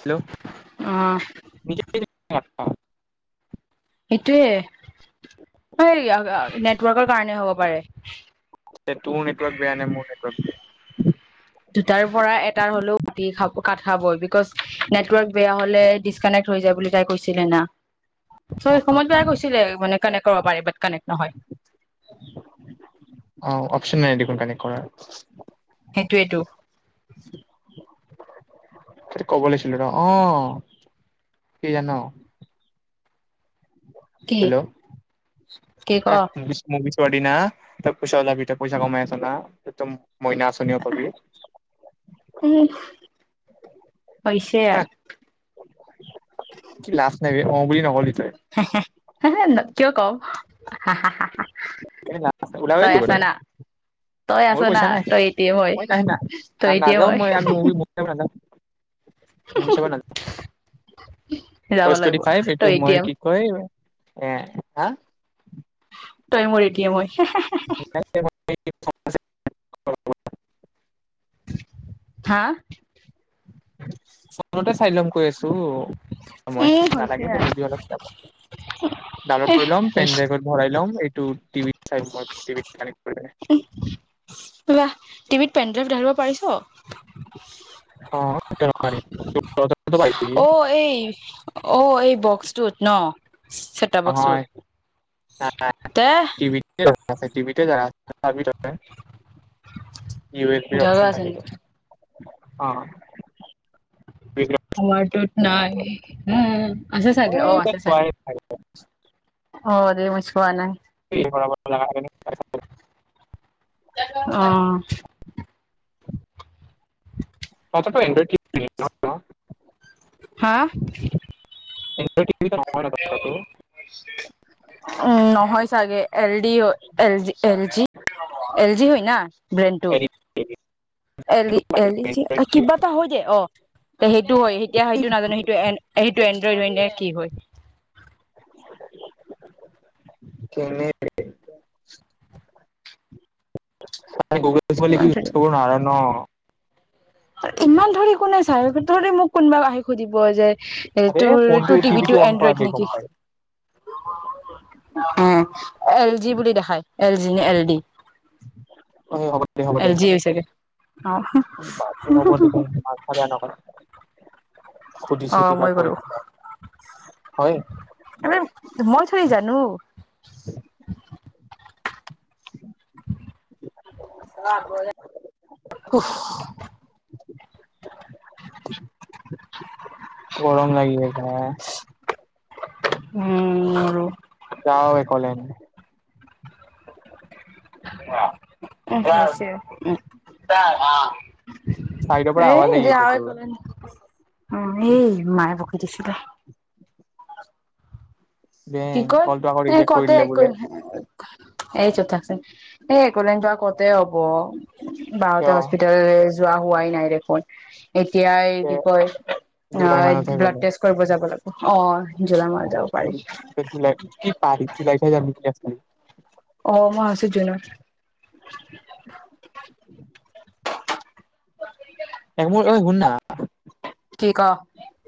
Hello অ', অ সেইটোৱে এই নেটৱৰ্কৰ কাৰণে হ'ব পাৰে তোৰ নেটৱৰ্ক বেয়া নে মোৰ নেটৱৰ্ক বয়া দুটাৰ পৰা এটাৰ হলেও কাটি খাব কাট খাবই বিকজ নেটৱৰ্ক বেয়া হলে ডিচকানেক্ট হৈ যায় বুলি তাই কৈছিলে না চ সময়ত বেয়া কৈছ ছিলে মানে কানেক্ট কৰিব পাৰিবা কানেক্ট নহয় আহ অপচন নাই দেখোন কানেক্ট কৰাৰ সেইটোৱেতো- তইতো কব লাগিছিল ন? অ- কি জান? কি? হেল্ল' কি ক? পোৱাৰদিনা তই পইচা ওলাবি তই পইচা কমাই আছ না? একতম- মইনা আঁচনিও পাবি- উম, হৈছে হা আৰু কি লাজ নাই বে অ বুলি নকলি তই হেহ্-হেহ্- হে হে ন-কিয় কম? হাহ্-হাহ্-হাহ্-হাহ্- এ নাই- ওলাবই লাগিব তই, তই আছ মোৰ না পইচা নাই, তই এ টি এম হয় মই নাহে না, তই এ টি এম নাযাও হয় মই আমিও নাযাও- মুভি চাব নাযাও, যাব পাঁচ লাগিব টোয়েন্টি-ফাইভ এইটো তই এ টি মই এম। কি কয়? এহ্ আহ্- তই মোৰ এতিয়া মই, হেহ্-হেহ্-হেহ্-হেহ্- [unintelligible] হা? ফন্টেছ- চাইলম কৈ আছ- তৌ- মই এ হৈছে নালাগে দে আৰু মুভি হলত যাব। ‌ ডাউনলড কৰি লম, হৈছে পেন'ড্ৰাইভত ভৰাই ল'ম, এইটো- টিভি চাই মই টিভিত কানেক্ট- কৰি ল'ম। এহ্ পোলা- টিভিত পেনড্ৰাইভ ধাল-ব্ পাৰিছ? অ- কিয় নোৱাৰিম? ঔ-এই বক্সটোত ন? চেটআপ বক্সটোত নহয় তে আজি টিভিতে যাৰা চাবিটৌ কি হৈছে জাগা অপচন আছে থাকেটো- নেকি অ-অ- হামাৰটোত- নাই, উম আছে চাগে-অ-আছে চাগে। [unintelligible] হ'ব দে মই চোৱা নাই। এ বৰাবৰ [unintelligible] লাগা থাকেনে? তাকে চাবলৈ। লেল্লৌ অহ- [inaudible] চনতৌ অ্যাঙ্গেল দি ন- হা এনড্ৰইড টিভি নহয় ন তহঁতৰটো উ নহয় চাগে এল ডি অ এল জি এল জি হৈ না ভেণ্টু L E L E G কিবা এটা হয় দে অ সেইটো হয় এতিয়া সেইটো নাজানো সেইটো এন এ টো এণ্ড্ৰইড হৈ নে কি হয়? কেনে গুগল ইউজ কৰিব নোৱাৰে হয় ন। ইমান ধৰি কোনে চাই ধৰি মোক কোনোবা আহি সুধিব যে আৰে তোৰ ফোনটো তোৰ টিভিটো অন কৰা এনড্ৰইড দে গম নেকি? পাই হ এল জি বুলি দেখাই? এল জি নে এল ডি? অ হ'ব দে হ'ব দে এল জি হৈ চাগে! অ বাপৰে হ'ব মাথা বেয়া নকৰ। [inaudible] অ সুধিছো কিবা মই কয় কৰো কিবা। হয় মই থৰি জানো! [unintelligible] উফ গৰম লাগি আছে। উম আৰু। যাও একলেণ্ড। [unintelligible] এ চাইডৰ পৰা আৱাজ আহি এতিয়া আছে আৰু তোৰ একলেণ্ড অ এই মায়ে [unintelligible] কি বেং কয় কলটো আকৌ এ ৰিজেক্ট কৰি কতে দিলে এক বোলে এই চুপ থাকচোন এ একলেণ্ড যোৱা কতে হব। বাৰটা কিয় হস্পিটেলাইজ যোৱা হোৱাই নাই দেখোন। এতিয়া এই কি কয় অ জুলাই মানতহে ব্লাড গ'লে টেষ্ট কৰিব যাব লাগ অ জুলাই মাহত যাব পাৰি। কি পাৰি জুলাইতহে যাম বুলি আছিলো। অ মই আচো জুনত। [inaudible] [unintelligible] শুননা কি ক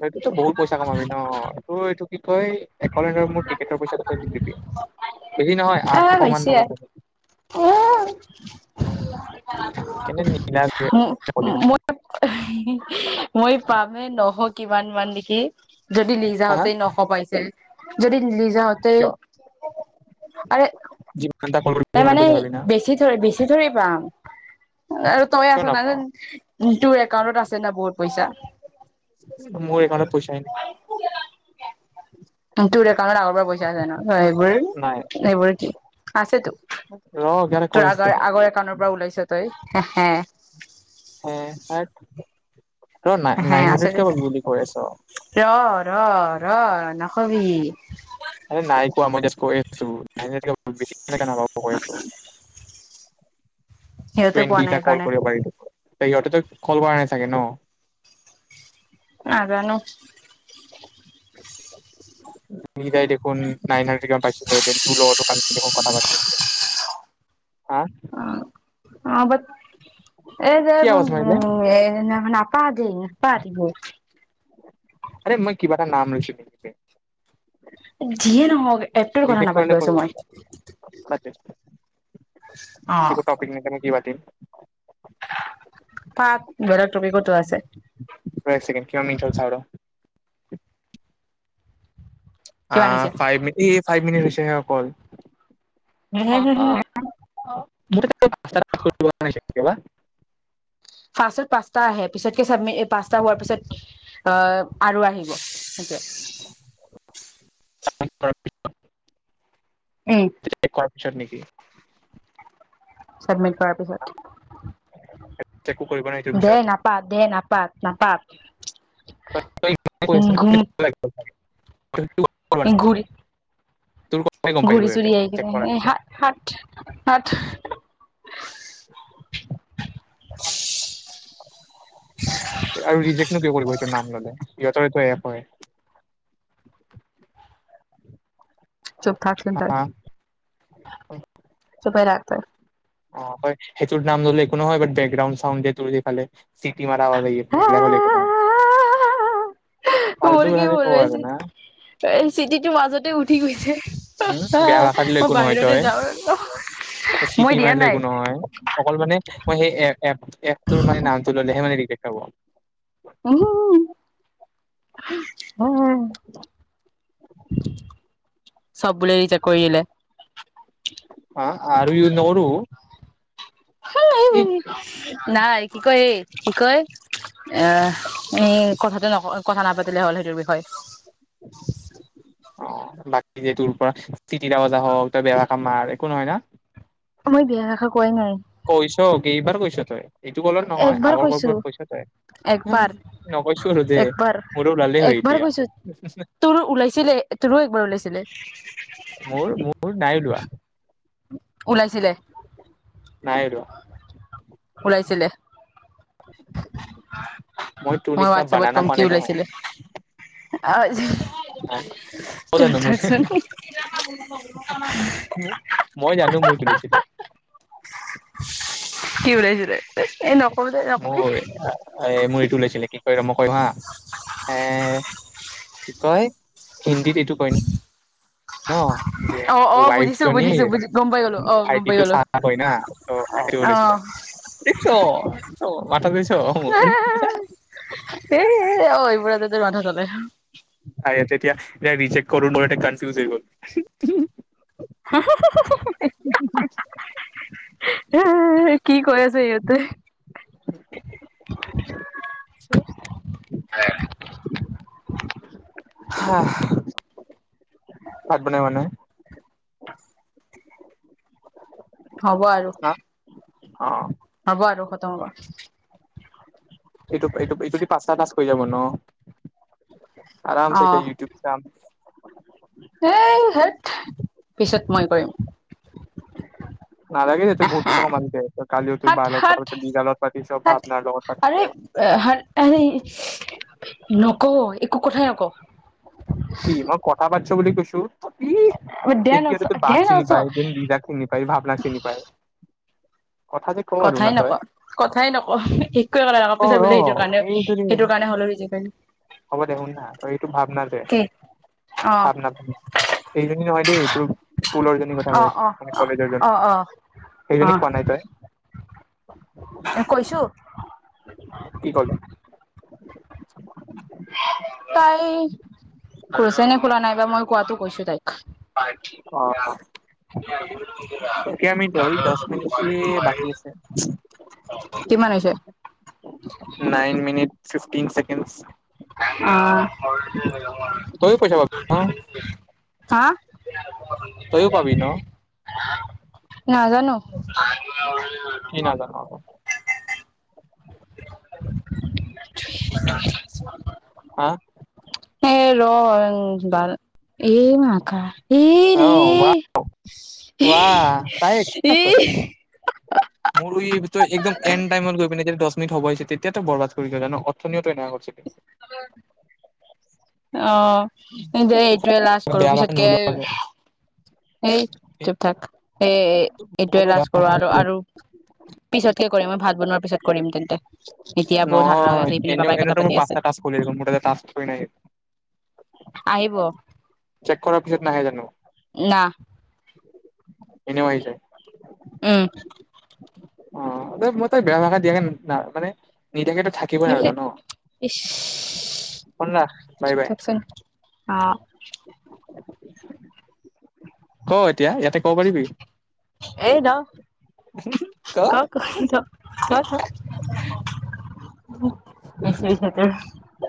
এইটোতো বহুত পইচা কামাবি ন এইটো এইটো কি কয় একলেণ্ড যাব মোৰ টিকেটৰ পইচাটো তই দি দিবি বেছি নহয় এ আঠশ মান হৈছে হব উ কিন্তু মই মই পামে ন। হ কিমান মান নেকি। যদি হা হা লিজাহঁতে নশ পাইছ উম যদি লিজাহতেই কিয় আৰে যিমান এটা কল কৰিবি সিমানে তামানে পইচা পাবি না বেছি থৰি বেছি থৰি [unintelligible] আৰু তইয়ে কিয় আছ নাপাও তোৰ একাউন্টত আছে না বহুত। পইচা মোৰ একাউণ্টত পইচাই [unintelligible] তোৰ একাউন্টত আগৰ পৰা পইচা আছে ন' সেইবোৰ নাই এইবোৰ কি আছেতো ৰ ইয়াতে তোৰ কৈ আছো আগৰ আগৰ একাউনৰ পৰা ওলাইছ তই। হে, হে। হে হত। ৰ নাই হে নাইন আছে হাণ্ড্ৰেড কিয় বুলি কৈ আছ? ৰ ৰ' ৰ' নখ আৰে নাই কোৱা মই জাষ্ট কৈ চ' নাইন হান্দ্ৰেদতকৈ অলপ বেছি কেনেকে নাপাব কৈ আছোঁ। পোৱা নাই টুৱেন্টিটা কল সেইকাৰণে কৰিব পাৰি দেখোন। তে ইহতেটো কল কৰা নাই চাগে ন'। নাজানো। শিকাই দি [unintelligible] নাইন হণ্ড্ৰেড কিমান পাইছিল দে তোৰ লগৰটো কা কিব কথা পাতিছিল। অ', অ', বাত এই যে কি উম, আৱাজ মাৰিলে উম, এদিনাখন আপো তা ধিং, তা ধিং। আৰে মই কিবা এটা নাম লৈছো নেকি? যিয়ে নহওক এপটোৰ কথা ৰিজেক্ট কৰিলে নাপাতিবা কৈছোঁ কৰিবি মই। বাদ দে অ একো টপিক [unintelligible] [unintelligible] পাত বেলেগ টপিকতো আছে ৰহ এক ছেকেণ্ড কিমান মিনিট হ'ল চাওঁ ৰহ অ কিমান হৈছে ফাই মিন পাইভ মিনিট হৈছে হে অকল। হে হে হে হে [unintelligible] [unintelligible] কেলা ফাৰ্ষ্টত পাঁচতা আহে পিছতকে চাবমিট পাঁচটা হোৱাৰ পিছত আহ আৰু আহিব তে [unintelligible] কপছত নেকি চাবমিট কৰাৰ পিছত চেকো কৰিব ন সেইটোৰ পিছত দেৰ নাপাত দেৰ নাপাত নাপাত ঘুম [unintelligible] [unintelligible] তোৰ ক ঘুৰি চুৰি আহ কিনে এইাত হয় আৰু ৰিজেক্টনো কিয় কৰিব সেইটোটো নাম ললে যতৰিটো এ পাই চুপ থাকচ তাই চোপে ৰাখ ত অ হয় সেইটোোৰ নাম ধলে একোনো হয় বকগ্ৰাউণ্ডাউড ত দিালে ফাল্টু মোৰ কি কথা যে হ'ল কৱ আৰু না চিটিটো মাজতে উঠি গৈছে উম বেয়া ভাষা দিলে মই একো বাহিৰতে যাওঁ দিয়া মাৰ নাই একো নহয় অকল মানে মই সেই এপ এক তোৰ মানে নামটো ললেহে মানে ৰি দেখাব চব বোলে দিছে কৰি দিললে অ আৰু ই ন নাই কি কয় হ কি কয় এ কথাটো নক কথা নাপাতিলে হ'ল সেইটোৰ বিষয়ে অ বাকী যে তোৰ পৰা চিটিৰে বজা হওক তই বেৱ কামাৰ একো নহয় ন মই বেয়া ৰাষা কৈছক গ এইবাৰ কৈছ তই এইটো কলত নহয় একবাৰ আগৰ কৈছো। কলবোৰত কৈছ তই একবাৰ নকৈছ আৰু দেই একবাৰ মোৰো ওলালেই হয় একবাৰ এতিয়া কৈছো তোৰো ওলাইছিলে তোৰো একবাৰ ওলাইছিলে মোৰ মোৰ নাই ওলোৱা উ ওলাইছিলে নাই ওলোৱা ওলাইছিলে তোৰ মই নিচিনা হোৱাটছপত বানানা কম খোৱা কি নাই নহয় ওলাইছিলে আৰু ক জানো মোৰ মই জানো মোৰ তুলিছিলে। কি উলাইছিলে এ নকবি দে মোৰ নকবি। এ মোৰ এইটো ওলাইছিলে কি মই কৰিমহা এ কি কয় হিন্দীত এইটো কয় ন? ন যে অ অ ৱাইফ বুজিছো বুজিছো জনীৰ বুজি গম পাই গলো অ গম পাই ভাইটিটো গলো কয় না সেইটো অ ওলাইছিল। মাধা যলে এতিয়া তিয়া ৰিজেক্ কৰো মোৰ এটা কনফিউজ হৈ গ'ল। [unintelligible] কৰি আছে ইহতে। [unintelligible] হয় হঃ ভাত বন মানে [inaudible] [unintelligible] হ'ব আৰু। হা অ হ'ব আৰু খতম হ'ব। এইটো এইটো ইটোদি পাঁচটা টাস্ক হৈ যাব ন? আৰামচে এতিয়া ইউটিউব চাম। এ হত পিছত মই কৰিম। নালাগে এইটো বহুত পইচা কমাই দে, ত কালিও তোৰ হাত বা হাত লগত গীতৰ লগত পাতিছ, হাত ভাবনাৰ লগত পাতিছ নক‌ও একো কথাই নকওঁ। কি মই কথা পাটিছ বুলি কৈছো। টো ইহ দে ইহঁতকিতা নচ যে তোৰ দে বাক চিনি নচ পায়, লিজাক চিনি পায়, ভাৱনাক চিনি পায়। কথা যে কওঁ আৰু না কথাই নক তই কথাই নক একোৱে কথা নক অ পিছত ৰ বোলে সেইটোৰ কাৰণেও এইটো যে সেইটোৰ কাৰণে হলে ৰিজেক্ট ক ভাবনা এইজনী নহয় দেই, তোৰ স্কুলৰ জনী কথা অ কৈছ অ মানে কলেজৰ অ অ জনী অ সেইজনীক কোৱা নাই তই এ কৈছোঁ। কি ক'লে [inaudible] তাই কৈছেনে খোলা নাই বা মই কোৱাটো কৈছো তাইক। অ কেইটা মিনিট হ'ল দহ মিনিট বাকী আছে কিমান হৈছে? Fourteen seconds. [unintelligible] অহ। তইও পইচা পাবি ন [unintelligible] হা? তইো পাবি ন? নাজানো কি নাজান? হা উম ৰ বাল, এই মাকা এ ৰে আহ বা [unintelligible] ৱাহ তায় এ নক [unintelligible] মোৰ ই একদম এনটাইম গৈ প দ হব তেতিয়াটো [unintelligible] বৰবাদ কৰি গ জ অথনীয় আহ যে এইটোৱে লাষ্ট কৰো বেয়া ভাষা পিছতকে নোলোৱাকে এই চুপ থাক এই এইটোৱে লাজ কৰো আৰু আৰু পিছতকে কৰি মই ভাত বনোৱাৰ পিছতো কৰিম তেন্তে এতিয়া বহুত হাল্লা হৈ আছে এইপিনে পাপাই এইটোতো মই পাঁচটা টাষ্ট কৰি আছো মোৰ তাতে টাষ্ট কিয় নাহিব আহিব চেক কৰাৰ পিছত নাহে জানো না এনেও আহি যায় উম অ মই তই বেয়া ভষাত দিয়াকে ন মানে নিদায়াকেতো থাকিবই নোৱাৰো জান ইচ ফোন ৰাখ বাই চুপ বাই থাকচোন অ' অ এতিয়া ইয়াতে কব পাৰিবি এই ৰ হুহু ক হু হু হে হে নিশ্চয় আছে তোৰ